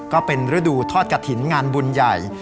ก็เป็นฤดูทอดกระถิ่นงานบุญใหญ่